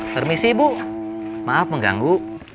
permisi bu maaf mengganggu